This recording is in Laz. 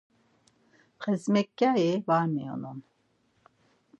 Xezmekyayi var miyonun!